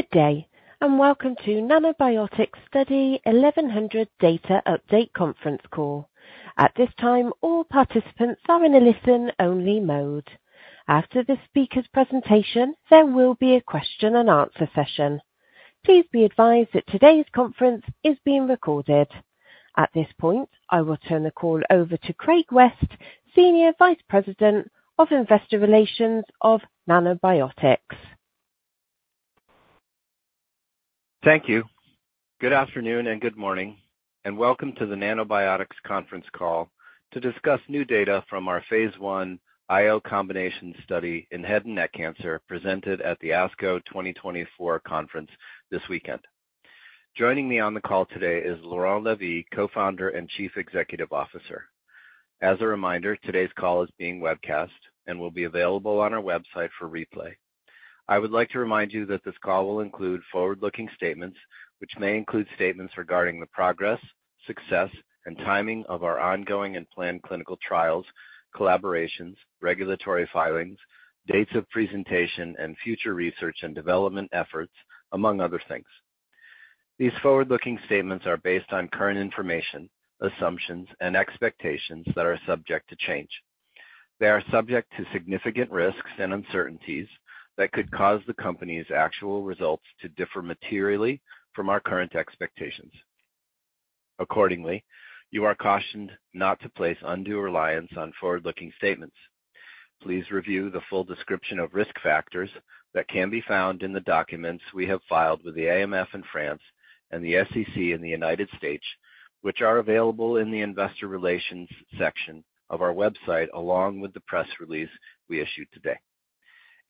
Good day, and welcome to Nanobiotix Study 1100 Data Update conference call. At this time, all participants are in a listen-only mode. After the speaker's presentation, there will be a question and answer session. Please be advised that today's conference is being recorded. At this point, I will turn the call over to Craig West, Senior Vice President of Investor Relations of Nanobiotix. Thank you. Good afternoon, and good morning, and welcome to the Nanobiotix conference call to discuss new data from our phase 1 IO combination study in head and neck cancer, presented at the ASCO 2024 conference this weekend. Joining me on the call today is Laurent Lévy, Co-founder and Chief Executive Officer. As a reminder, today's call is being webcast and will be available on our website for replay. I would like to remind you that this call will include forward-looking statements, which may include statements regarding the progress, success, and timing of our ongoing and planned clinical trials, collaborations, regulatory filings, dates of presentation, and future research and development efforts, among other things. These forward-looking statements are based on current information, assumptions, and expectations that are subject to change. They are subject to significant risks and uncertainties that could cause the company's actual results to differ materially from our current expectations. Accordingly, you are cautioned not to place undue reliance on forward-looking statements. Please review the full description of risk factors that can be found in the documents we have filed with the AMF in France and the SEC in the United States, which are available in the Investor Relations section of our website, along with the press release we issued today.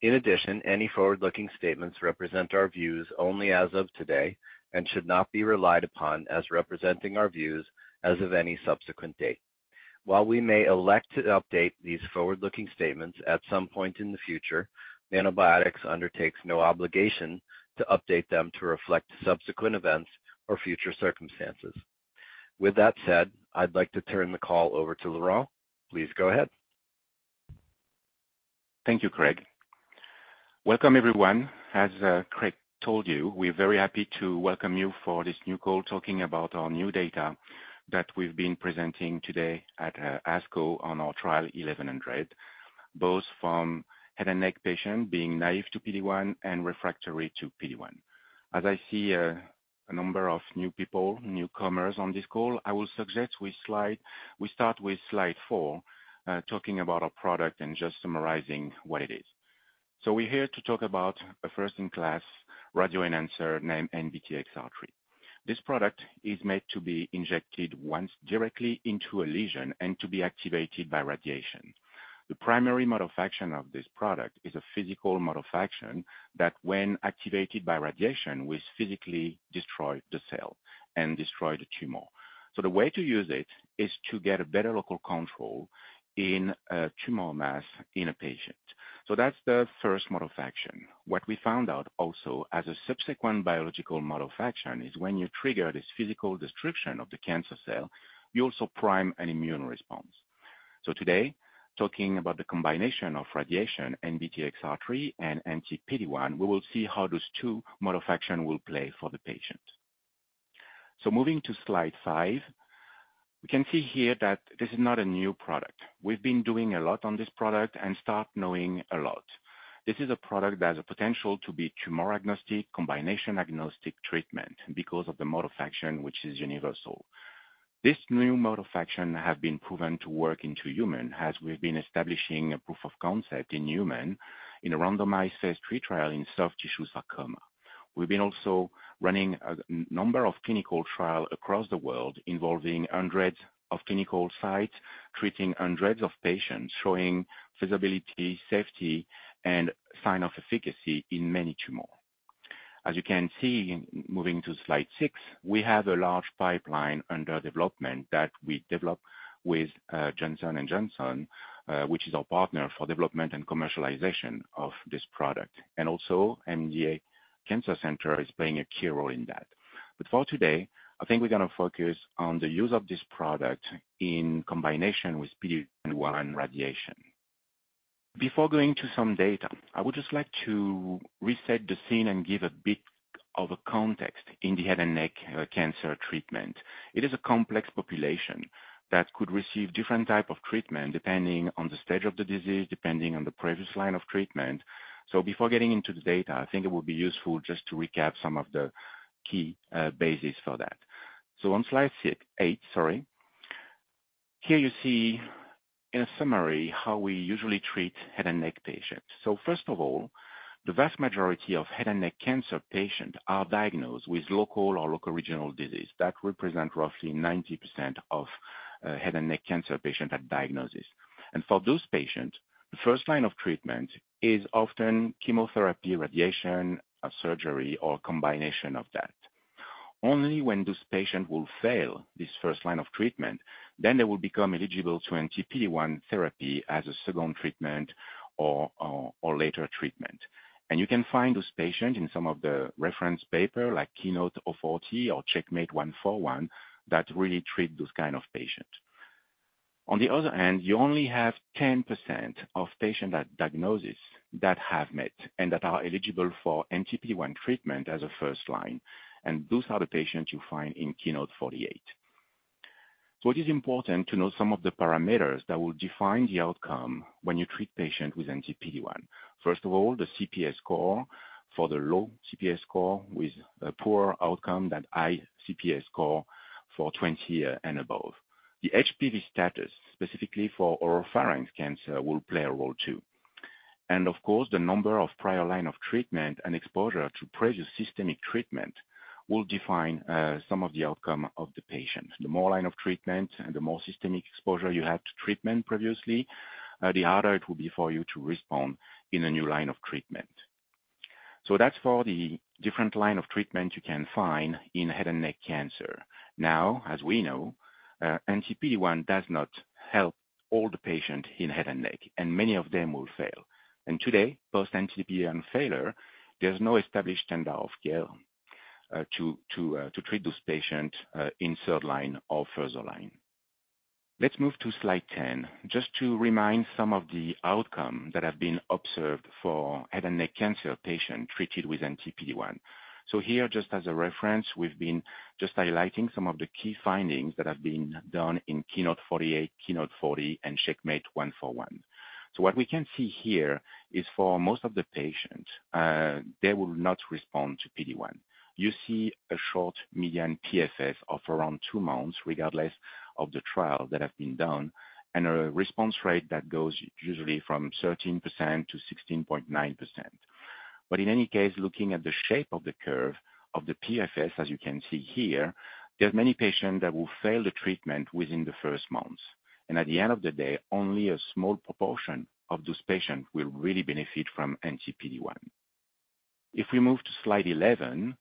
In addition, any forward-looking statements represent our views only as of today and should not be relied upon as representing our views as of any subsequent date. While we may elect to update these forward-looking statements at some point in the future, Nanobiotix undertakes no obligation to update them to reflect subsequent events or future circumstances. With that said, I'd like to turn the call over to Laurent. Please go ahead. Thank you, Craig. Welcome, everyone. As Craig told you, we're very happy to welcome you for this new call, talking about our new data that we've been presenting today at ASCO on our trial 1100, both from head and neck patient being naive to PD-1 and refractory to PD-1. As I see a number of new people, newcomers on this call, I will suggest we start with slide 4, talking about our product and just summarizing what it is. So we're here to talk about a first-in-class radioenhancer named NBTXR3. This product is made to be injected once directly into a lesion and to be activated by radiation. The primary mode of action of this product is a physical mode of action that, when activated by radiation, will physically destroy the cell and destroy the tumor. So the way to use it is to get a better local control in a tumor mass in a patient. So that's the first mode of action. What we found out also, as a subsequent biological mode of action, is when you trigger this physical destruction of the cancer cell, you also prime an immune response. So today, talking about the combination of radiation, NBTXR3, and anti-PD-1, we will see how those two mode of action will play for the patient. So moving to slide 5, we can see here that this is not a new product. We've been doing a lot on this product and start knowing a lot. This is a product that has a potential to be tumor-agnostic, combination-agnostic treatment because of the mode of action, which is universal. This new mode of action have been proven to work in humans, as we've been establishing a proof of concept in humans in a randomized phase III trial in soft tissue sarcoma. We've been also running a number of clinical trials across the world, involving hundreds of clinical sites, treating hundreds of patients, showing feasibility, safety, and sign of efficacy in many tumors. As you can see, moving to slide 6, we have a large pipeline under development that we developed with Johnson & Johnson, which is our partner for development and commercialization of this product. And also, MD Anderson Cancer Center is playing a key role in that. But for today, I think we're gonna focus on the use of this product in combination with PD-1 radiation. Before going to some data, I would just like to reset the scene and give a bit of a context in the head and neck cancer treatment. It is a complex population that could receive different type of treatment depending on the stage of the disease, depending on the previous line of treatment. So before getting into the data, I think it would be useful just to recap some of the key bases for that. So on slide eight, sorry. Here you see, in a summary, how we usually treat head and neck patients. So first of all, the vast majority of head and neck cancer patient are diagnosed with local or local regional disease. That represent roughly 90% of head and neck cancer patient at diagnosis. And for those patients, the first line of treatment is often chemotherapy, radiation, or surgery, or combination of that. Only when this patient will fail this first line of treatment, then they will become eligible to Anti-PD-1 therapy as a second treatment or, or, or later treatment. You can find those patients in some of the reference papers, like KEYNOTE-040 or CheckMate 141, that really treat those kind of patients. On the other hand, you only have 10% of patients at diagnosis that have mets, and that are eligible for Anti-PD-1 treatment as a first line, and those are the patients you find in KEYNOTE-048. So it is important to know some of the parameters that will define the outcome when you treat patients with Anti-PD-1. First of all, the CPS score, for the low CPS score with a poorer outcome than high CPS score for 20 and above. The HPV status, specifically for oropharynx cancer, will play a role, too. Of course, the number of prior line of treatment and exposure to previous systemic treatment will define some of the outcome of the patient. The more line of treatment and the more systemic exposure you had to treatment previously, the harder it will be for you to respond in a new line of treatment. So that's for the different line of treatment you can find in head and neck cancer. Now, as we know, anti-PD-1 does not help all the patients in head and neck, and many of them will fail. And today, post anti-PD-1 failure, there's no established standard of care to treat those patients in third line or further line. Let's move to slide 10, just to remind some of the outcome that have been observed for head and neck cancer patients treated with anti-PD-1. So here, just as a reference, we've been just highlighting some of the key findings that have been done in KEYNOTE-048, KEYNOTE-040, and CheckMate 141. So what we can see here is for most of the patients, they will not respond to PD-1. You see a short median PFS of around 2 months, regardless of the trials that have been done, and a response rate that goes usually from 13% to 16.9%. But in any case, looking at the shape of the curve of the PFS, as you can see here, there are many patients that will fail the treatment within the first months. And at the end of the day, only a small proportion of those patients will really benefit from anti-PD-1. If we move to slide 11,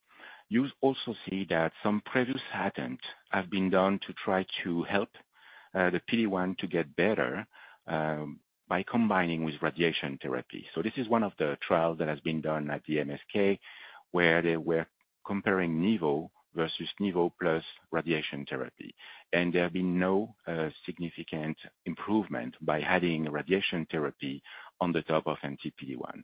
you also see that some previous attempts have been done to try to help the PD-1 to get better by combining with radiation therapy. So this is one of the trials that has been done at the MSK, where they were comparing Nivo versus Nivo plus radiation therapy. And there have been no significant improvement by adding radiation therapy on the top of anti-PD-1.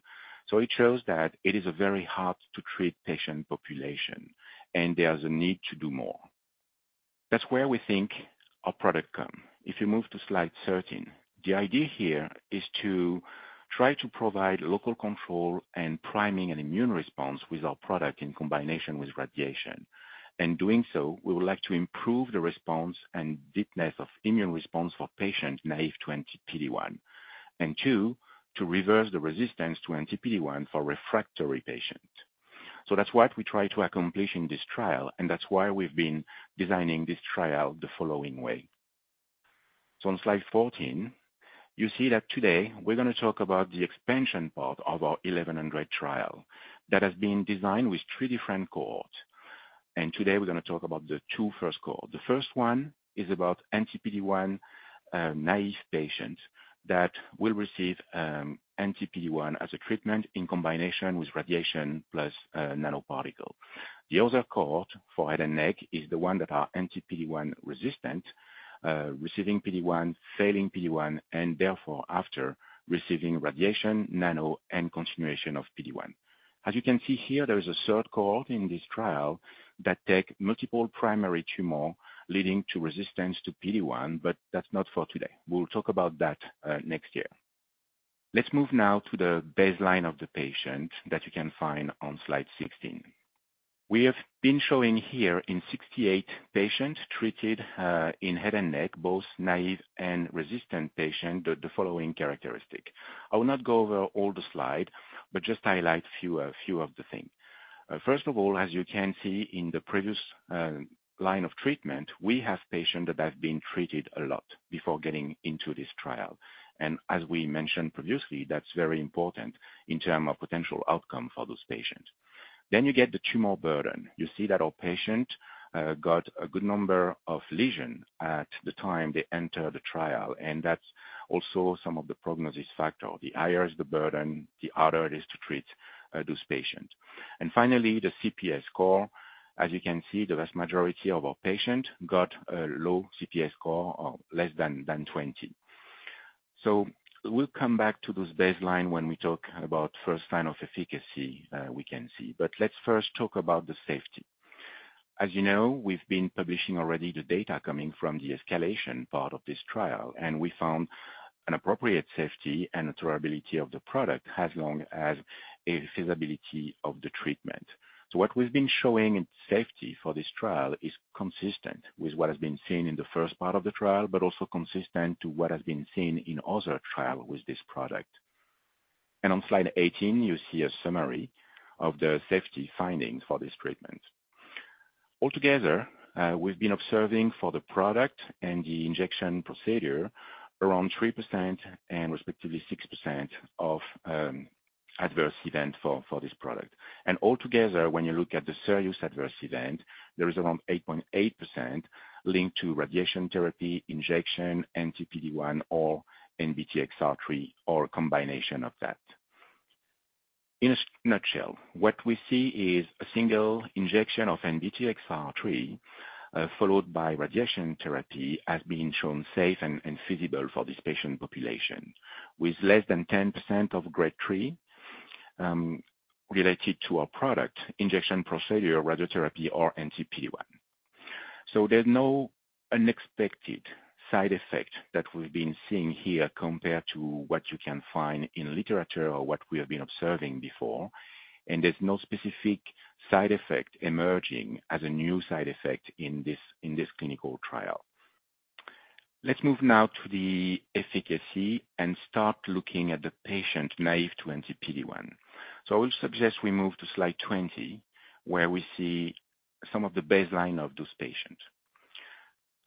So it shows that it is a very hard-to-treat patient population, and there's a need to do more. That's where we think our product comes. If you move to slide 13, the idea here is to try to provide local control and priming an immune response with our product in combination with radiation. In doing so, we would like to improve the response and deepness of immune response for patients naive to anti-PD-1. And 2, to reverse the resistance to anti-PD-1 for refractory patients. So that's what we try to accomplish in this trial, and that's why we've been designing this trial the following way. So on slide 14, you see that today, we're gonna talk about the expansion part of our 1100 trial that has been designed with 3 different cohorts. And today, we're gonna talk about the 2 first cohorts. The first one is about anti-PD-1 naive patients that will receive anti-PD-1 as a treatment in combination with radiation plus nanoparticle. The other cohort for head and neck is the one that are anti-PD-1 resistant, receiving PD-1, failing PD-1, and therefore, after receiving radiation, nano, and continuation of PD-1. As you can see here, there is a third cohort in this trial that take multiple primary tumor leading to resistance to PD-1, but that's not for today. We'll talk about that next year. Let's move now to the baseline of the patient that you can find on slide 16. We have been showing here in 68 patients treated in head and neck, both naive and resistant patients, the following characteristic. I will not go over all the slide, but just highlight few of the thing. First of all, as you can see in the previous line of treatment, we have patients that have been treated a lot before getting into this trial. And as we mentioned previously, that's very important in term of potential outcome for those patients. Then you get the tumor burden. You see that our patients got a good number of lesions at the time they entered the trial, and that's also some of the prognostic factors. The higher the burden, the harder it is to treat those patients. And finally, the CPS score. As you can see, the vast majority of our patients got a low CPS score of less than 20. So we'll come back to this baseline when we talk about first line of efficacy, we can see. But let's first talk about the safety. As you know, we've been publishing already the data coming from the escalation part of this trial, and we found an appropriate safety and tolerability of the product as well as the feasibility of the treatment. So what we've been showing in safety for this trial is consistent with what has been seen in the first part of the trial, but also consistent to what has been seen in other trial with this product. On slide 18, you see a summary of the safety findings for this treatment. Altogether, we've been observing for the product and the injection procedure around 3% and respectively 6% of adverse event for this product. Altogether, when you look at the serious adverse event, there is around 8.8% linked to radiation therapy, injection, anti-PD-1, or NBTXR3, or a combination of that. In a nutshell, what we see is a single injection of NBTXR3, followed by radiation therapy, has been shown safe and feasible for this patient population, with less than 10% of grade 3 related to our product, injection procedure, radiotherapy, or anti-PD-1. There's no unexpected side effect that we've been seeing here compared to what you can find in literature or what we have been observing before. There's no specific side effect emerging as a new side effect in this clinical trial. Let's move now to the efficacy and start looking at the patient naive to anti-PD-1. I will suggest we move to slide 20, where we see some of the baseline of those patients.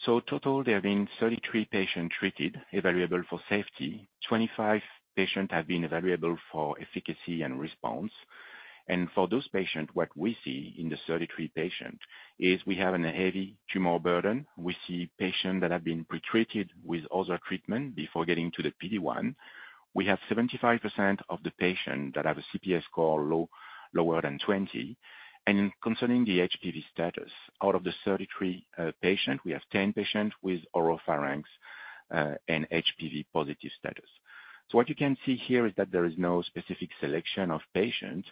Total, there have been 33 patients treated, evaluable for safety. 25 patients have been evaluable for efficacy and response, and for those patients, what we see in the 33 patients, is we have a heavy tumor burden. We see patients that have been pretreated with other treatment before getting to the PD-1. We have 75% of the patients that have a CPS score low, lower than 20. Concerning the HPV status, out of the 33 patients, we have 10 patients with oropharynx, and HPV positive status. So what you can see here is that there is no specific selection of patients,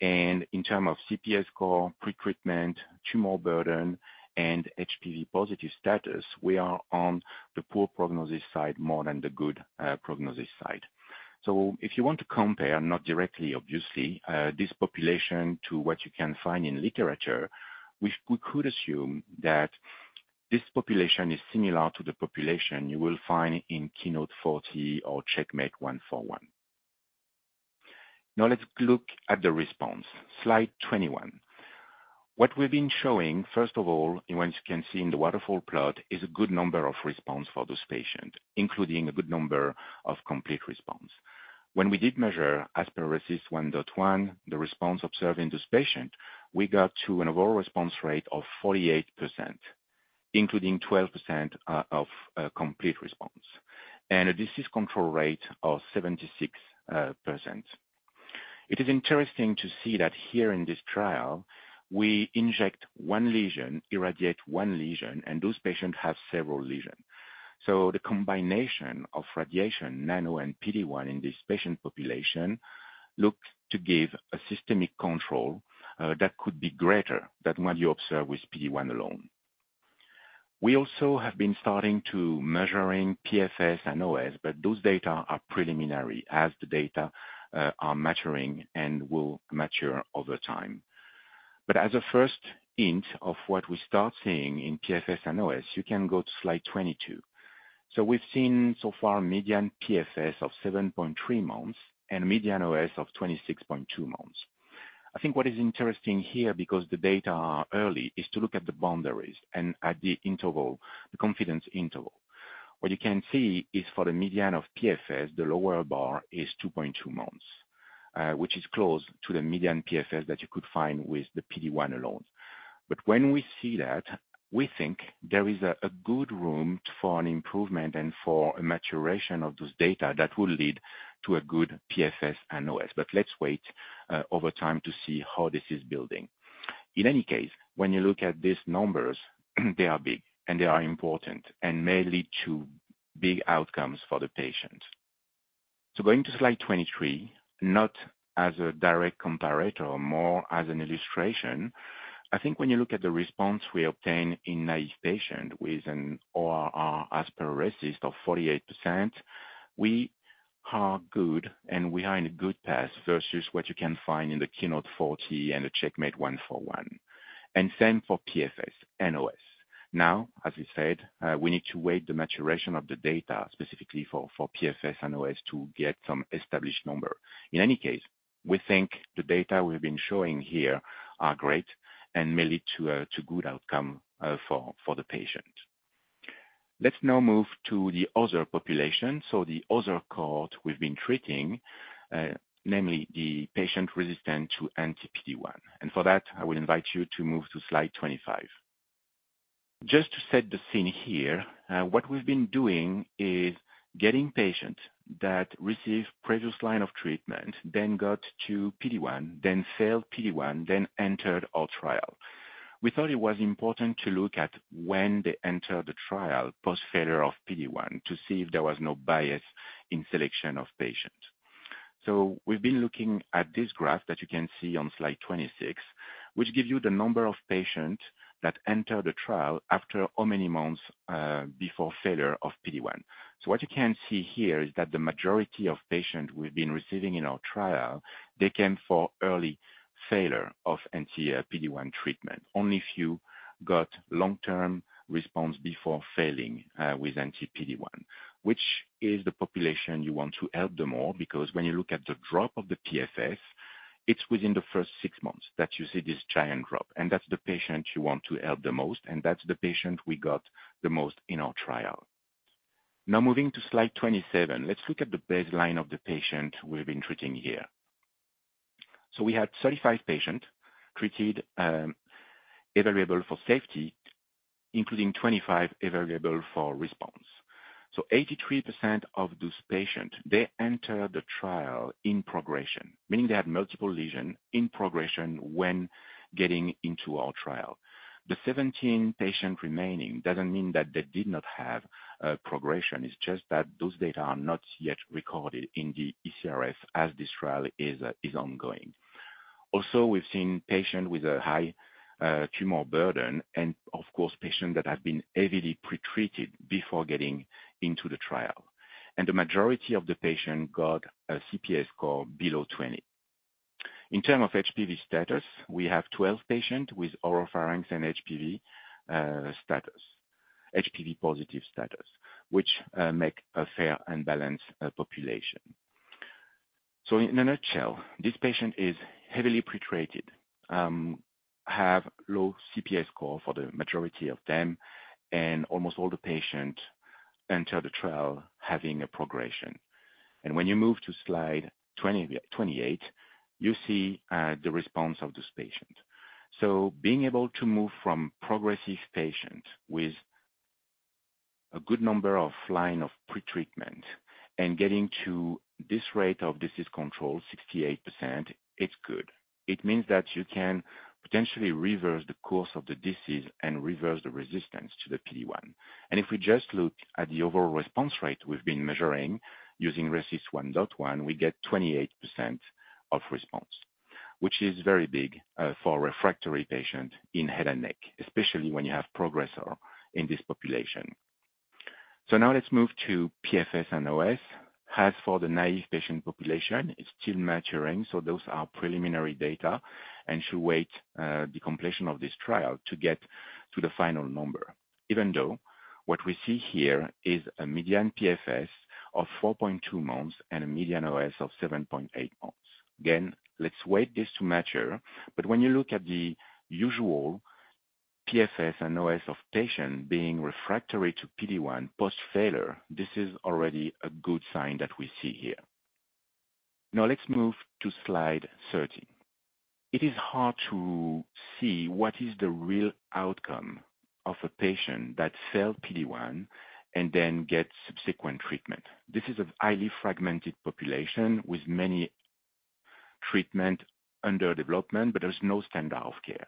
and in terms of CPS score, pretreatment, tumor burden, and HPV positive status, we are on the poor prognosis side more than the good prognosis side. So if you want to compare, not directly, obviously, this population to what you can find in literature, we, we could assume that this population is similar to the population you will find in KEYNOTE-040 or CheckMate 141. Now let's look at the response. Slide 21. What we've been showing, first of all, and what you can see in the waterfall plot, is a good number of response for those patients, including a good number of complete response. When we did measure as per RECIST 1.1, the response observed in this patient, we got to an overall response rate of 48%, including 12% of complete response, and a disease control rate of 76%. It is interesting to see that here in this trial, we inject 1 lesion, irradiate 1 lesion, and those patients have several lesions. So the combination of radiation, nano, and PD-1 in this patient population looks to give a systemic control that could be greater than what you observe with PD-1 alone. We also have been starting to measuring PFS and OS, but those data are preliminary as the data are maturing and will mature over time. But as a first hint of what we start seeing in PFS and OS, you can go to slide 22. So we've seen so far, median PFS of 7.3 months and median OS of 26.2 months. I think what is interesting here, because the data are early, is to look at the boundaries and at the interval, the confidence interval. What you can see is for the median of PFS, the lower bar is 2.2 months, which is close to the median PFS that you could find with the PD-1 alone. But when we see that, we think there is a good room for an improvement and for a maturation of those data that will lead to a good PFS and OS. But let's wait over time to see how this is building. In any case, when you look at these numbers, they are big and they are important, and may lead to big outcomes for the patient. So going to slide 23, not as a direct comparator, more as an illustration. I think when you look at the response we obtain in naive patients with an ORR as per RECIST of 48%, we are good, and we are in a good path versus what you can find in the KEYNOTE-040 and the CheckMate-141, and same for PFS and OS. Now, as we said, we need to wait the maturation of the data specifically for PFS and OS to get some established number. In any case, we think the data we've been showing here are great and may lead to a good outcome for the patient. Let's now move to the other population. So the other cohort we've been treating, namely the patient resistant to anti-PD-1. And for that, I will invite you to move to slide 25. Just to set the scene here, what we've been doing is getting patients that received previous line of treatment, then got to PD-1, then failed PD-1, then entered our trial. We thought it was important to look at when they entered the trial, post failure of PD-1, to see if there was no bias in selection of patients. So we've been looking at this graph that you can see on slide 26, which gives you the number of patients that entered the trial after how many months before failure of PD-1. So what you can see here is that the majority of patients we've been receiving in our trial, they came for early failure of anti-PD-1 treatment. Only few got long-term response before failing with anti-PD-1, which is the population you want to help the more, because when you look at the drop of the PFS, it's within the first six months that you see this giant drop, and that's the patient you want to help the most, and that's the patient we got the most in our trial. Now, moving to slide 27. Let's look at the baseline of the patient we've been treating here. So we had 35 patients treated, evaluable for safety, including 25 evaluable for response. So 83% of those patients, they entered the trial in progression, meaning they had multiple lesions in progression when getting into our trial. The 17 patients remaining doesn't mean that they did not have progression, it's just that those data are not yet recorded in the eCRFs, as this trial is ongoing. Also, we've seen patients with a high tumor burden, and of course, patients that have been heavily pretreated before getting into the trial. The majority of the patients got a CPS score below 20. In terms of HPV status, we have 12 patients with oropharynx and HPV status, HPV positive status, which make a fair and balanced population. So in a nutshell, this patient is heavily pretreated, have low CPS score for the majority of them, and almost all the patients enter the trial having a progression. When you move to slide 28, you see the response of this patient. So being able to move from progressive patients with a good number of line of pretreatment and getting to this rate of disease control, 68%, it's good. It means that you can potentially reverse the course of the disease and reverse the resistance to the PD-1. And if we just look at the overall response rate we've been measuring using RECIST 1.1, we get 28% of response, which is very big, for refractory patients in head and neck, especially when you have progressor in this population. So now let's move to PFS and OS. As for the naive patient population, it's still maturing, so those are preliminary data and should wait, the completion of this trial to get to the final number. Even though what we see here is a median PFS of 4.2 months and a median OS of 7.8 months. Again, let's wait this to mature, but when you look at the usual PFS and OS of patients being refractory to PD-1 post-failure, this is already a good sign that we see here. Now, let's move to slide 30. It is hard to see what is the real outcome of a patient that failed PD-1 and then gets subsequent treatment. This is a highly fragmented population with many treatments under development, but there's no standard of care.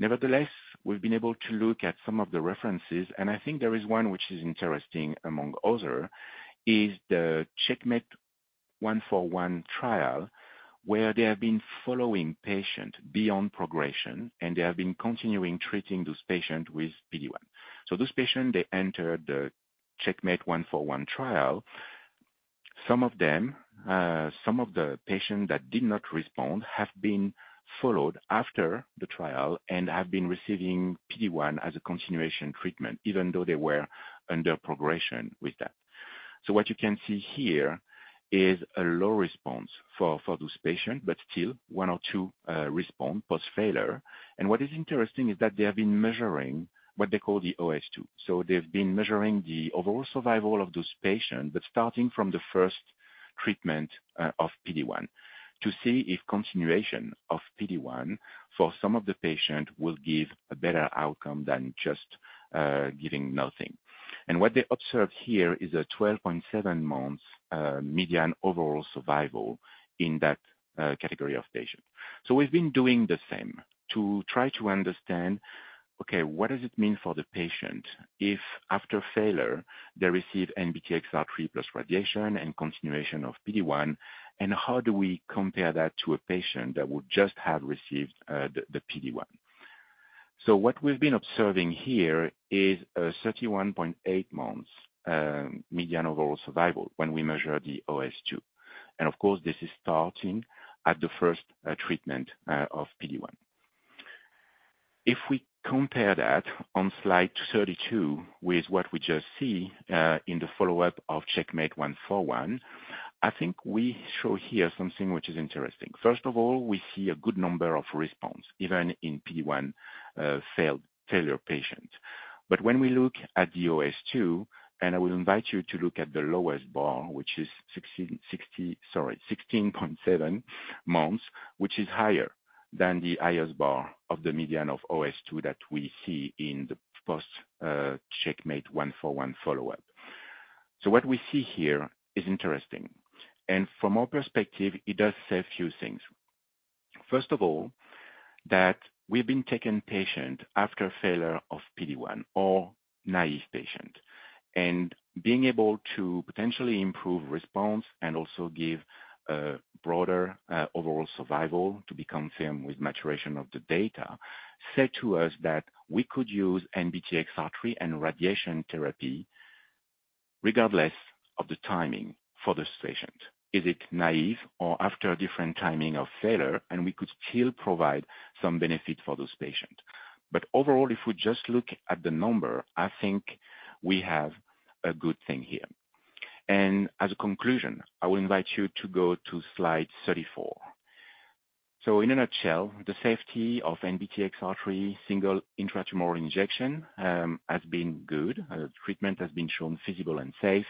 Nevertheless, we've been able to look at some of the references, and I think there is one which is interesting among others, is the CheckMate 141 trial, where they have been following patients beyond progression, and they have been continuing treating those patients with PD-1. So those patients, they entered the CheckMate 141 trial. Some of them, some of the patients that did not respond, have been followed after the trial and have been receiving PD-1 as a continuation treatment, even though they were under progression with that. So what you can see here is a low response for those patients, but still one or two respond post-failure. And what is interesting is that they have been measuring what they call the OS2. So they've been measuring the overall survival of those patients, but starting from the first treatment of PD-1, to see if continuation of PD-1 for some of the patients will give a better outcome than just giving nothing. And what they observe here is a 12.7 months median overall survival in that category of patients. So we've been doing the same to try to understand what does it mean for the patient if after failure, they receive NBTXR3 plus radiation and continuation of PD-1, and how do we compare that to a patient that would just have received the PD-1? So what we've been observing here is 31.8 months median overall survival when we measure the OS2. And of course, this is starting at the first treatment of PD-1. If we compare that on slide 32 with what we just see in the follow-up of CheckMate 141, I think we show here something which is interesting. First of all, we see a good number of response, even in PD-1 failure patients. But when we look at the OS 2, and I will invite you to look at the lowest bar, which is 16.7 months, which is higher than the highest bar of the median of OS 2 that we see in the first CheckMate 141 follow-up. So what we see here is interesting, and from our perspective, it does say a few things. First of all, that we've been taking patients after failure of PD-1 or naive patients, and being able to potentially improve response and also give a broader overall survival to be confirmed with maturation of the data, said to us that we could use NBTXR3 and radiation therapy, regardless of the timing for this patient. Is it naive or after a different timing of failure, and we could still provide some benefit for those patients. Overall, if we just look at the number, I think we have a good thing here. As a conclusion, I will invite you to go to slide 34. In a nutshell, the safety of NBTXR3 single intratumoral injection has been good. Treatment has been shown feasible and safe,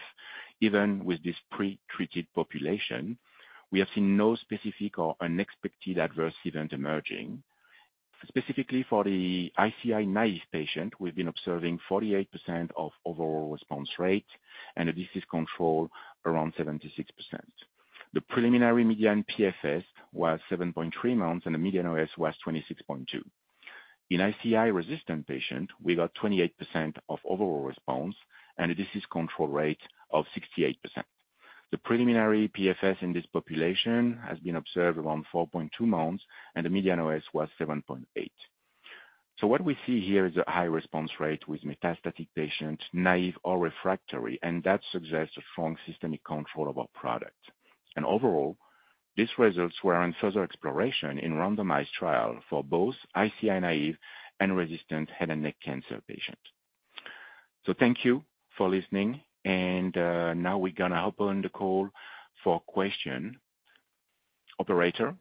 even with this pre-treated population. We have seen no specific or unexpected adverse event emerging. Specifically for the ICI-naive patient, we've been observing 48% of overall response rate and a disease control around 76%. The preliminary median PFS was 7.3 months, and the median OS was 26.2. In ICI-resistant patient, we got 28% of overall response and a disease control rate of 68%. The preliminary PFS in this population has been observed around 4.2 months, and the median OS was 7.8. So what we see here is a high response rate with metastatic patients, naive or refractory, and that suggests a strong systemic control of our product. And overall, these results were on further exploration in randomized trial for both ICI-naive and resistant head and neck cancer patients. So thank you for listening, and, now we're gonna open the call for question. Operator?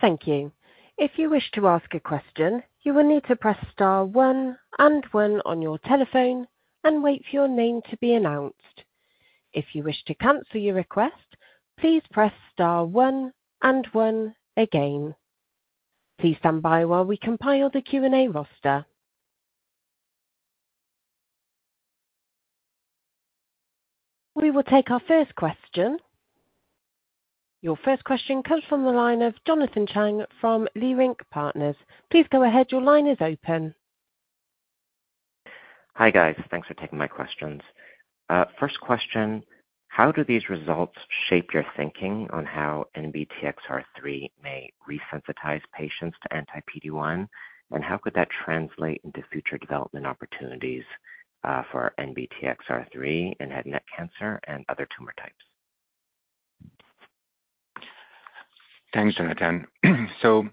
Thank you. If you wish to ask a question, you will need to press star one and one on your telephone and wait for your name to be announced. If you wish to cancel your request, please press star one and one again. Please stand by while we compile the Q&A roster. We will take our first question. Your first question comes from the line of Jonathan Chang from Leerink Partners. Please go ahead. Your line is open. Hi, guys. Thanks for taking my questions. First question: how do these results shape your thinking on how NBTXR3 may resensitize patients to anti-PD-1? And how could that translate into future development opportunities, for NBTXR3 in head and neck cancer and other tumor types? Thanks, Jonathan. So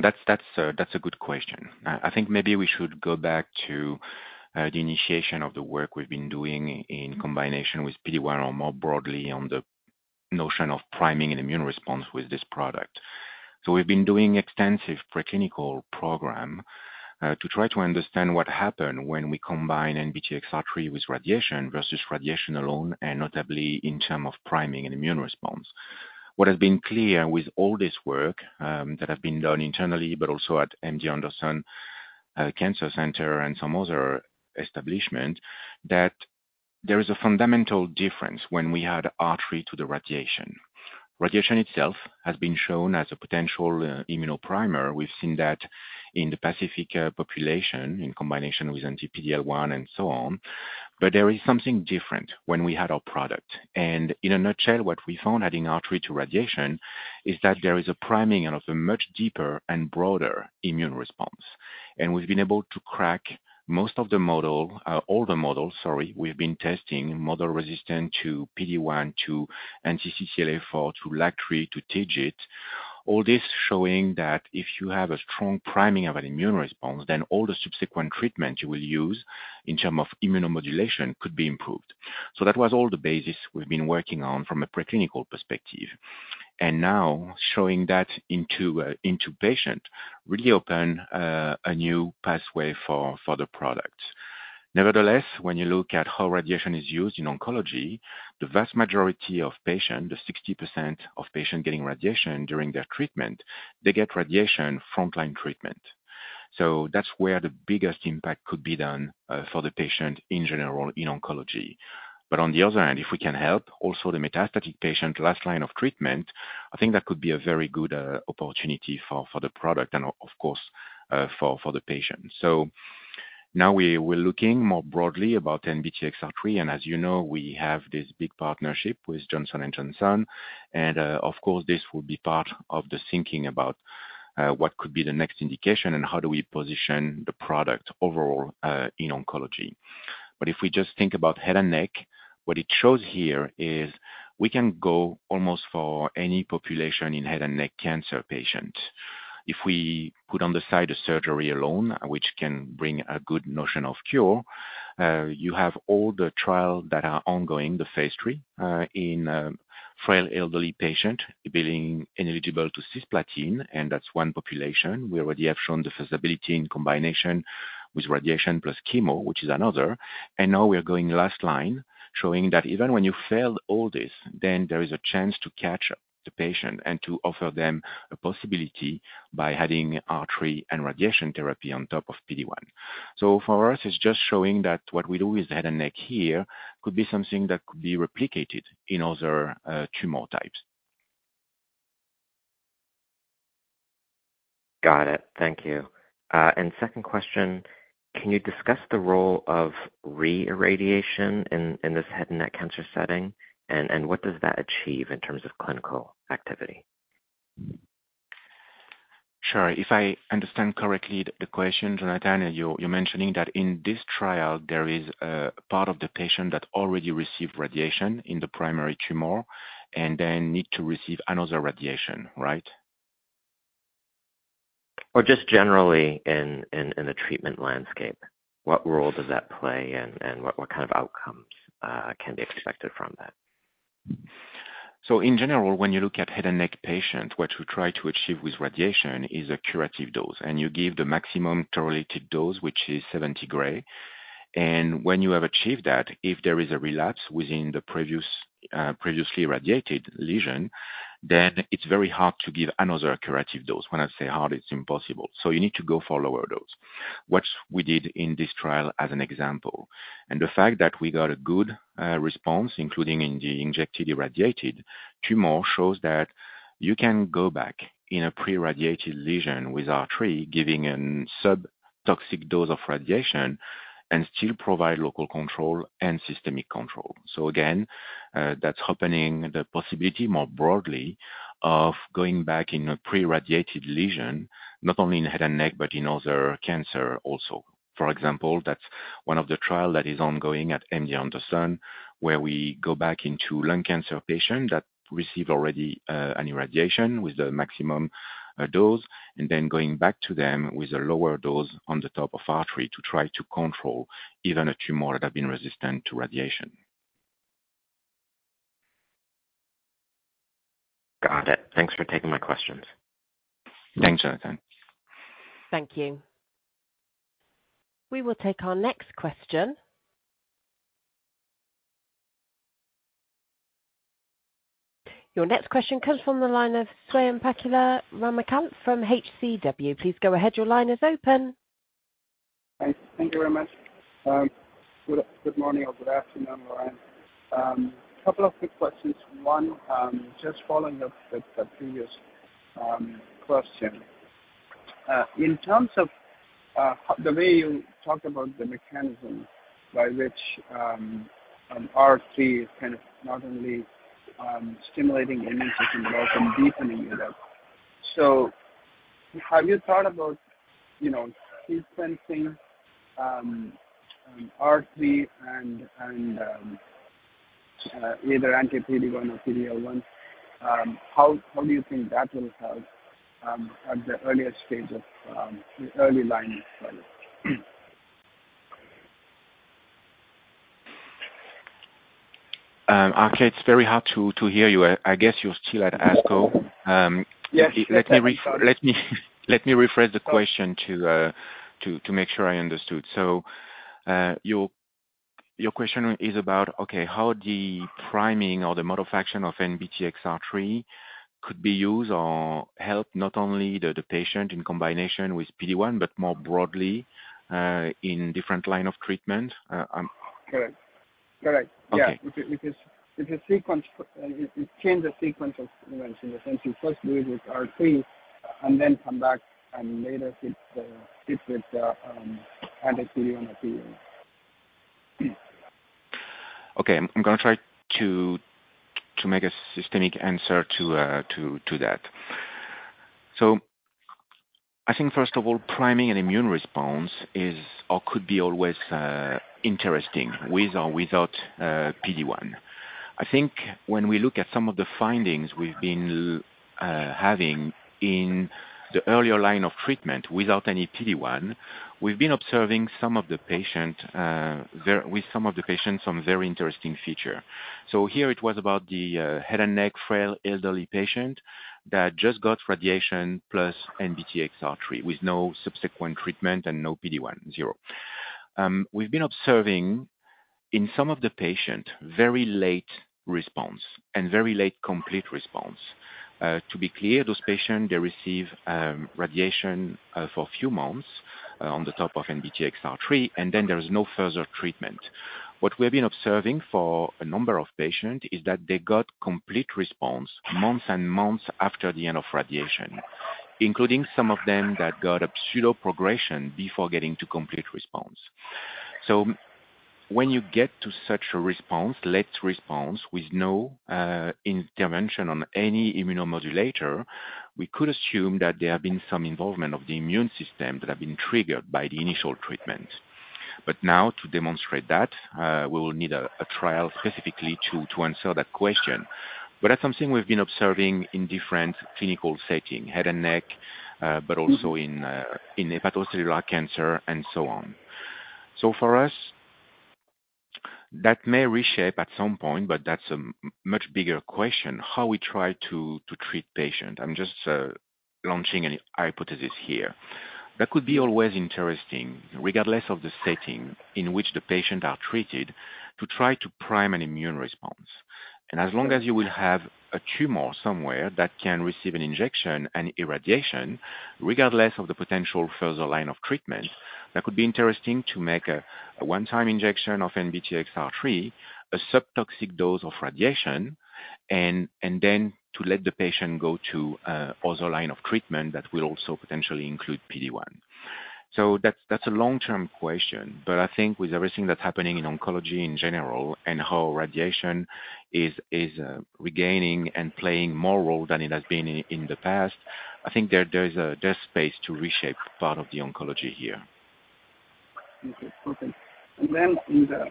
that's, that's a, that's a good question. I think maybe we should go back to the initiation of the work we've been doing in combination with PD-1, or more broadly, on the notion of priming an immune response with this product. So we've been doing extensive preclinical program to try to understand what happen when we combine NBTXR3 with radiation versus radiation alone, and notably in term of priming an immune response. What has been clear with all this work that have been done internally, but also at MD Anderson Cancer Center and some other establishment, that there is a fundamental difference when we add R3 to the radiation. Radiation itself has been shown as a potential immunoprimer. We've seen that in the specific population, in combination with anti-PD-L1, and so on, but there is something different when we add our product. And in a nutshell, what we found adding R3 to radiation is that there is a priming of a much deeper and broader immune response. And we've been able to crack most of the model, all the models, sorry. We've been testing, model resistant to PD-1, to anti-CTLA-4, to LAG-3, to TIGIT. All this showing that if you have a strong priming of an immune response, then all the subsequent treatment you will use in term of immunomodulation could be improved. So that was all the basis we've been working on from a preclinical perspective, and now showing that into a, into patient really open, a new pathway for, for the product. Nevertheless, when you look at how radiation is used in oncology, the vast majority of patients, the 60% of patients getting radiation during their treatment, they get radiation frontline treatment. So that's where the biggest impact could be done for the patient in general, in oncology. But on the other hand, if we can help also the metastatic patient, last line of treatment, I think that could be a very good opportunity for the product and, of course, for the patients. So now we're looking more broadly about NBTXR3, and as you know, we have this big partnership with Johnson & Johnson. And, of course, this will be part of the thinking about what could be the next indication and how do we position the product overall, in oncology. But if we just think about head and neck, what it shows here is we can go almost for any population in head and neck cancer patient. If we put on the side a surgery alone, which can bring a good notion of cure, you have all the trial that are ongoing, the phase III, in frail, elderly patient being ineligible to Cisplatin, and that's one population. We already have shown the feasibility and combination with radiation plus chemo, which is another. And now we are going last line, showing that even when you failed all this, then there is a chance to catch up the patient and to offer them a possibility by adding R3 and radiation therapy on top of PD-1. So for us, it's just showing that what we do with head and neck here could be something that could be replicated in other tumor types. Got it. Thank you. Second question: Can you discuss the role of re-irradiation in this head and neck cancer setting? And what does that achieve in terms of clinical activity? Sure. If I understand correctly the question, Jonathan, you're mentioning that in this trial, there is a part of the patient that already received radiation in the primary tumor and then need to receive another radiation, right? Or just generally in the treatment landscape, what role does that play and what kind of outcomes can be expected from that?... So in general, when you look at head and neck patient, what we try to achieve with radiation is a curative dose, and you give the maximum tolerated dose, which is 70 gray. And when you have achieved that, if there is a relapse within the previous, previously radiated lesion, then it's very hard to give another curative dose. When I say hard, it's impossible. So you need to go for lower dose, what we did in this trial as an example. And the fact that we got a good response, including in the injected irradiated tumor, shows that you can go back in a pre-irradiated lesion with R3, giving a sub-toxic dose of radiation and still provide local control and systemic control. So again, that's opening the possibility more broadly of going back in a pre-irradiated lesion, not only in head and neck, but in other cancer also. For example, that's one of the trial that is ongoing at MD Anderson, where we go back into lung cancer patient that receive already, an irradiation with the maximum, dose, and then going back to them with a lower dose on the top of R3 to try to control even a tumor that have been resistant to radiation. Got it. Thanks for taking my questions. Thanks, Jonathan. Thank you. We will take our next question. Your next question comes from the line of Swayampakula Ramakanth from HCW. Please go ahead. Your line is open. Hi. Thank you very much. Good morning or good afternoon, Laurent. Couple of quick questions. One, just following up with the previous question. In terms of the way you talked about the mechanism by which R3 is kind of not only stimulating immunity, but also deepening it up. So have you thought about, you know, dispensing R3 and either anti-PD-1 or PD-L1? How do you think that will help at the earliest stage of the early line of trial? Okay, it's very hard to hear you. I guess you're still at ASCO. Yes. Let me rephrase the question to make sure I understood. So, your question is about how the priming or the modification of NBTXR3 could be used or help not only the patient in combination with PD-1, but more broadly in different line of treatment? Correct. Correct. Okay. Yeah, because if the sequence it change the sequence of events, in the sense you first do it with R3 and then come back and later it with anti-PD-L1. Okay, I'm gonna try to make a systemic answer to that. So I think first of all, priming an immune response is or could be always interesting, with or without PD-1. I think when we look at some of the findings we've been having in the earlier line of treatment without any PD-1, we've been observing some of the patient very... With some of the patients, some very interesting feature. So here it was about the head and neck, frail, elderly patient, that just got radiation plus NBTXR3, with no subsequent treatment and no PD-1, zero. We've been observing in some of the patient, very late response and very late complete response. To be clear, those patients, they receive radiation for a few months on the top of NBTXR3, and then there is no further treatment. What we have been observing for a number of patients is that they got complete response, months and months after the end of radiation, including some of them that got a pseudo progression before getting to complete response. So when you get to such a response, late response, with no intervention on any immunomodulator, we could assume that there have been some involvement of the immune system that have been triggered by the initial treatment. But now to demonstrate that, we will need a trial specifically to answer that question. But that's something we've been observing in different clinical setting, head and neck, but also in hepatocellular cancer and so on. So for us, that may reshape at some point, but that's a much bigger question, how we try to treat patient. I'm just launching an hypothesis here. That could be always interesting, regardless of the setting in which the patient are treated, to try to prime an immune response. And as long as you will have a tumor somewhere that can receive an injection and irradiation, regardless of the potential further line of treatment, that could be interesting to make a one-time injection of NBTXR3, a sub-toxic dose of radiation, and then to let the patient go to a other line of treatment, that will also potentially include PD-1. So that's a long-term question, but I think with everything that's happening in oncology in general, and how radiation is regaining and playing more role than it has been in the past, I think there is space to reshape part of the oncology here. Okay. Okay. And then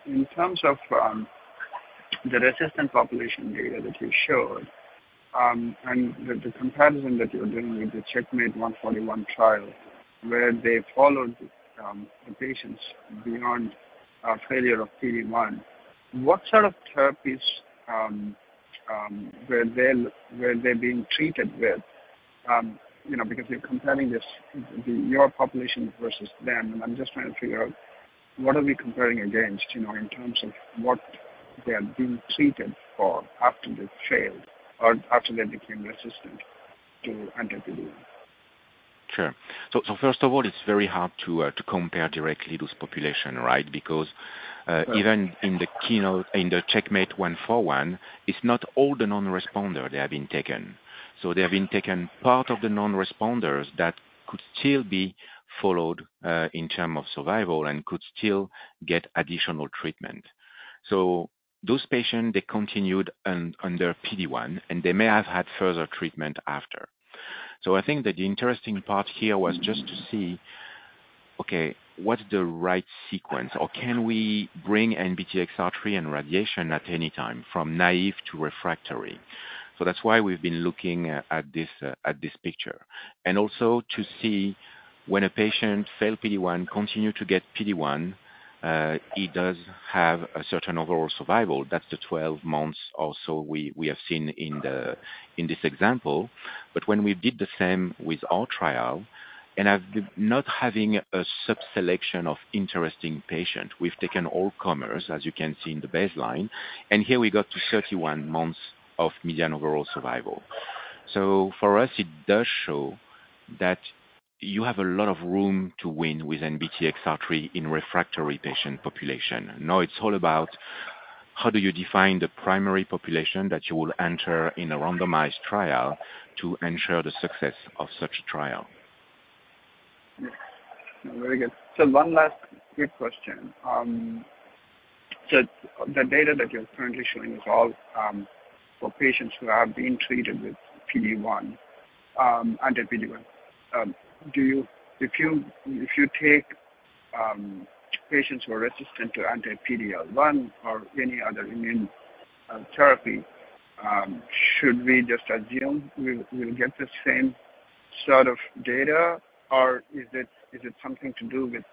in terms of the resistant population data that you showed. And the comparison that you're doing with the CheckMate 141 trial, where they followed the patients beyond failure of PD-1, what sort of therapies were they being treated with? You know, because you're comparing this, your population versus them, and I'm just trying to figure out what are we comparing against, you know, in terms of what they are being treated for after they've failed or after they became resistant to anti-PD-1? Sure. So, first of all, it's very hard to compare directly those population, right? Because even in the KEYNOTE, in the CheckMate 141, it's not all the non-responder they have been taken. So they have been taken part of the non-responders that could still be followed in term of survival and could still get additional treatment. So those patients, they continued under PD-1, and they may have had further treatment after. So I think that the interesting part here was just to see, okay, what's the right sequence? Or can we bring NBTXR3 and radiation at any time, from naive to refractory? So that's why we've been looking at this, at this picture. And also to see when a patient fail PD-1, continue to get PD-1, he does have a certain overall survival. That's the 12 months or so we have seen in this example. But when we did the same with our trial, and as not having a subselection of interesting patient, we've taken all comers, as you can see in the baseline, and here we got to 31 months of median overall survival. So for us, it does show that you have a lot of room to win with NBTXR3 in refractory patient population. Now, it's all about how do you define the primary population that you will enter in a randomized trial to ensure the success of such a trial? Yes. Very good. So one last quick question. So the data that you're currently showing is all for patients who have been treated with PD-1, anti-PD-1. Do you... If you take patients who are resistant to anti-PD-L1 or any other immune therapy, should we just assume we'll get the same sort of data? Or is it something to do with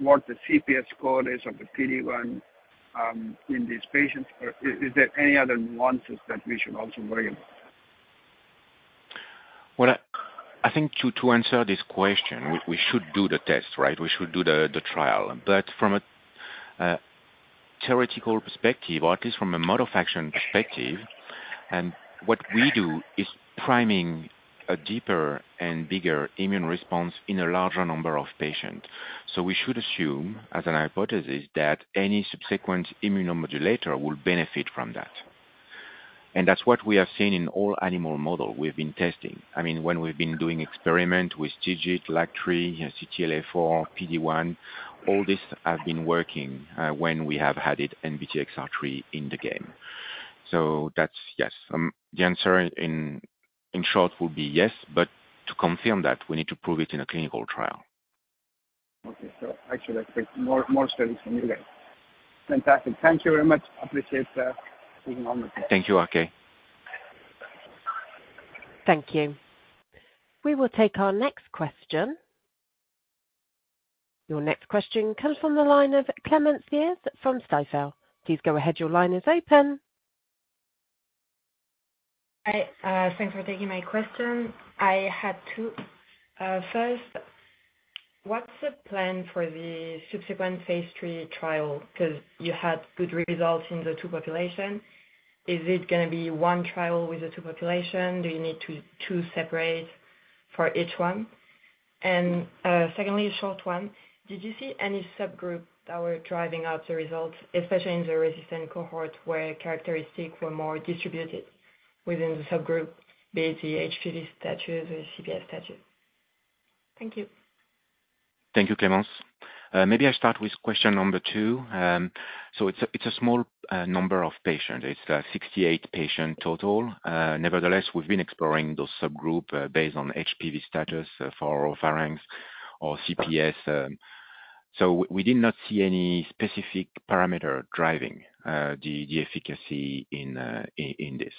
what the CPS score is of the PD-1 in these patients? Or is there any other nuances that we should also worry about? Well, I think to answer this question, we should do the test, right? We should do the trial. But from a theoretical perspective, or at least from a mode of action perspective, what we do is priming a deeper and bigger immune response in a larger number of patients. So we should assume, as a hypothesis, that any subsequent immunomodulator will benefit from that. And that's what we have seen in all animal model we've been testing. I mean, when we've been doing experiment with TIGIT, LAG-3, CTLA-4, PD-1, all this have been working, when we have added NBTXR3 in the game. So that's yes. The answer in short would be yes, but to confirm that, we need to prove it in a clinical trial. Okay. So actually I think more, more studies from you guys. Fantastic. Thank you very much. Appreciate, taking all my time. Thank you, R.K. Thank you. We will take our next question. Your next question comes from the line of Clémence Thiers from Stifel. Please go ahead. Your line is open. Hi, thanks for taking my question. I had two. First, what's the plan for the subsequent phase III trial? 'Cause you had good results in the two population. Is it gonna be one trial with the two population? Do you need two, two separate for each one? And, secondly, a short one. Did you see any subgroup that were driving up the results, especially in the resistant cohort, where characteristics were more distributed within the subgroup, be it the HPV status or CPS status? Thank you. Thank you, Clémence. Maybe I start with question number two. So it's a small number of patients. It's 68 patient total. Nevertheless, we've been exploring those subgroup based on HPV status for pharynx or CPS. So we did not see any specific parameter driving the efficacy in this.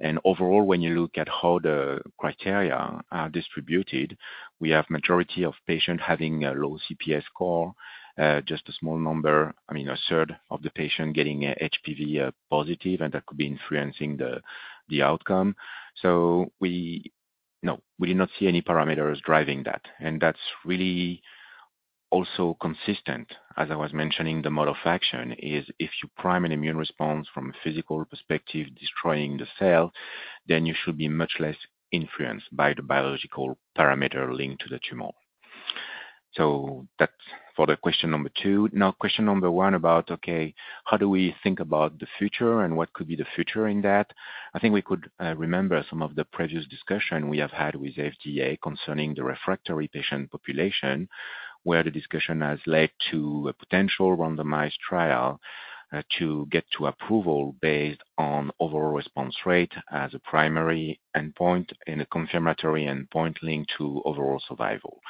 And overall, when you look at how the criteria are distributed, we have majority of patient having a low CPS score, just a small number, I mean, a third of the patient getting a HPV positive, and that could be influencing the outcome. So we... No, we did not see any parameters driving that. That's really also consistent, as I was mentioning, the mode of action is, if you prime an immune response from a physical perspective, destroying the cell, then you should be much less influenced by the biological parameter linked to the tumor. So that's for the question number two. Now, question number one about, okay, how do we think about the future and what could be the future in that? I think we could remember some of the previous discussion we have had with FDA concerning the refractory patient population, where the discussion has led to a potential randomized trial to get to approval based on overall response rate as a primary endpoint and a confirmatory endpoint linked to overall survival.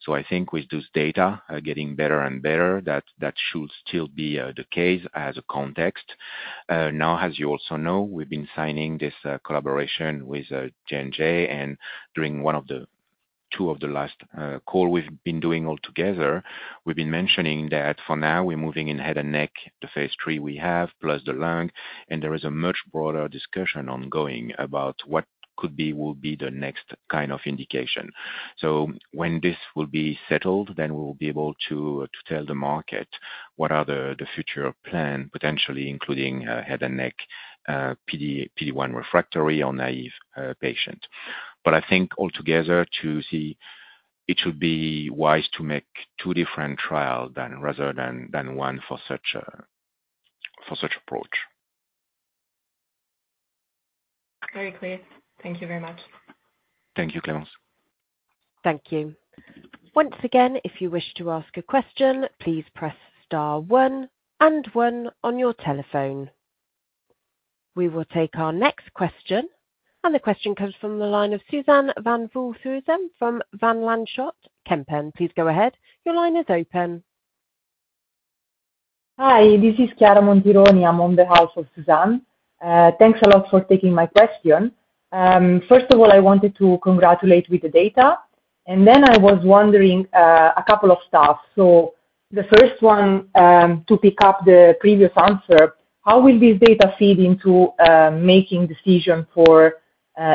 So I think with this data getting better and better, that should still be the case as a context. Now, as you also know, we've been signing this collaboration with J&J, and during one of the two of the last call we've been doing all together, we've been mentioning that for now, we're moving in head and neck, the phase III we have, plus the lung, and there is a much broader discussion ongoing about what could be, will be the next kind of indication. So when this will be settled, then we will be able to to tell the market what are the, the future plan, potentially including head and neck, PD, PD-1 refractory or naive patient. But I think altogether, to see, it should be wise to make two different trial than, rather than, than one for such, for such approach. Very clear. Thank you very much. Thank you, Clarence. Thank you. Once again, if you wish to ask a question, please press star one and one on your telephone. We will take our next question, and the question comes from the line of Suzanne van Voorthuizen from Van Lanschot Kempen. Please go ahead. Your line is open. Hi, this is Chiara Montironi. I'm on behalf of Suzanne. Thanks a lot for taking my question. First of all, I wanted to congratulate with the data, and then I was wondering a couple of stuff. So the first one, to pick up the previous answer, how will this data feed into making decision for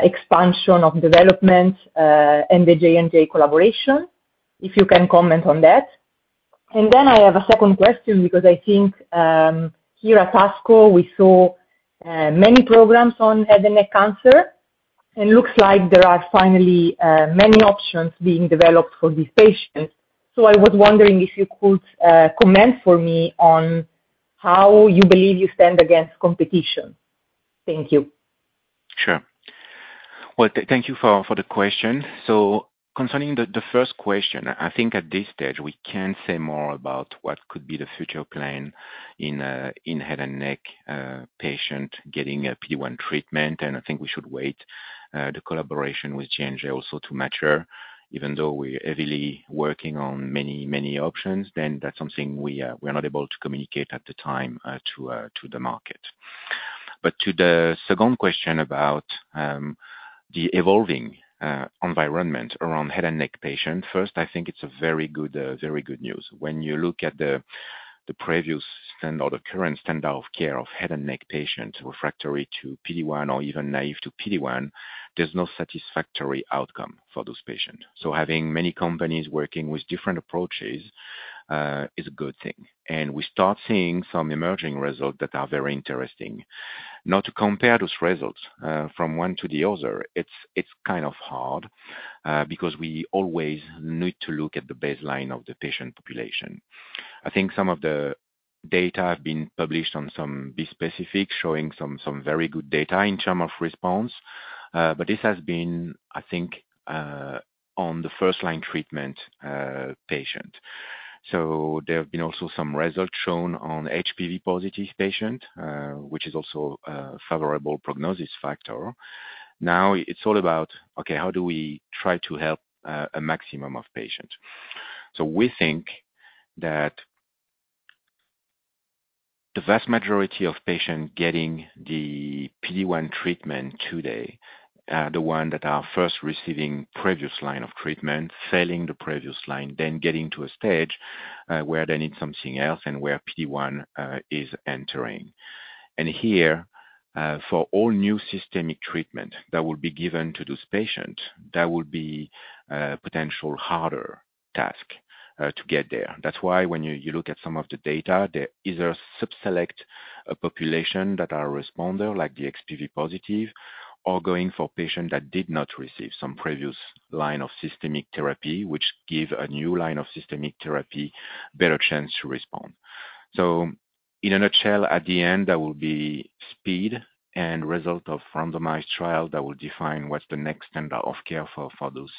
expansion of development and the J&J collaboration? If you can comment on that. And then I have a second question, because I think here at ASCO, we saw many programs on head and neck cancer, and looks like there are finally many options being developed for these patients. So I was wondering if you could comment for me on how you believe you stand against competition. Thank you. Sure. Well, thank you for the question. So concerning the first question, I think at this stage, we can't say more about what could be the future plan in head and neck patient getting a PD-1 treatment, and I think we should wait the collaboration with J&J also to mature. Even though we're heavily working on many, many options, then that's something we're not able to communicate at the time to the market. But to the second question about the evolving environment around head and neck patient. First, I think it's a very good, very good news. When you look at the previous standard or the current standard of care of head and neck patients, refractory to PD-1 or even naive to PD-1, there's no satisfactory outcome for those patients. So having many companies working with different approaches is a good thing. And we start seeing some emerging results that are very interesting. Now, to compare those results from one to the other, it's kind of hard because we always need to look at the baseline of the patient population. I think some of the data have been published on some bispecific, showing some very good data in terms of response, but this has been, I think, on the first-line treatment patient. So there have been also some results shown on HPV-positive patient, which is also a favorable prognosis factor. Now, it's all about, okay, how do we try to help a maximum of patients? So we think that the vast majority of patients getting the PD-1 treatment today, the one that are first receiving previous line of treatment, failing the previous line, then getting to a stage, where they need something else and where PD-1 is entering. And here, for all new systemic treatment that will be given to this patient, that will be, potential harder task, to get there. That's why when you, you look at some of the data, there either subselect a population that are responder, like the HPV positive, or going for patient that did not receive some previous line of systemic therapy, which give a new line of systemic therapy better chance to respond. So in a nutshell, at the end, there will be speed and result of randomized trial that will define what's the next standard of care for those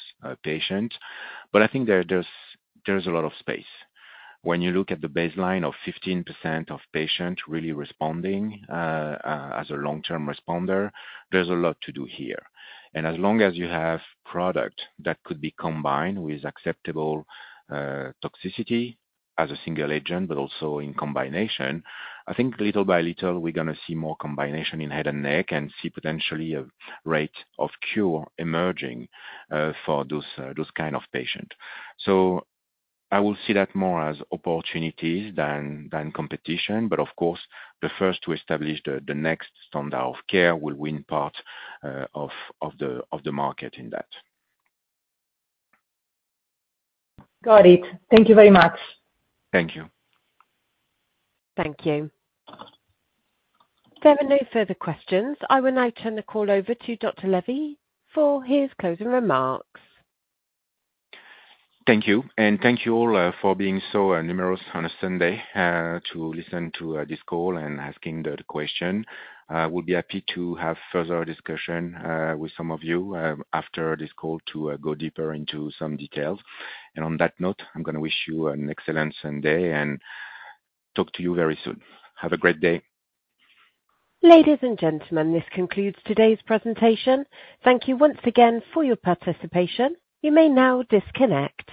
patients. But I think there, there's a lot of space. When you look at the baseline of 15% of patients really responding as a long-term responder, there's a lot to do here. And as long as you have product that could be combined with acceptable toxicity as a single agent, but also in combination, I think little by little, we're gonna see more combination in head and neck and see potentially a rate of cure emerging for those kind of patients. So I will see that more as opportunities than competition, but of course, the first to establish the next standard of care will win part of the market in that. Got it. Thank you very much. Thank you. Thank you. There are no further questions. I will now turn the call over to Dr. Lévy for his closing remarks. Thank you, and thank you all, for being so numerous on a Sunday, to listen to this call and asking the question. We'll be happy to have further discussion with some of you after this call, to go deeper into some details. And on that note, I'm gonna wish you an excellent Sunday and talk to you very soon. Have a great day. Ladies and gentlemen, this concludes today's presentation. Thank you once again for your participation. You may now disconnect.